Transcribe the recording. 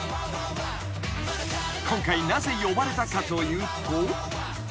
［今回なぜ呼ばれたかというと］